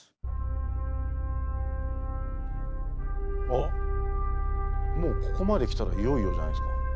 あっもうここまで来たらいよいよじゃないですか。